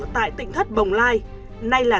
tại tỉnh thất bồng lai nay là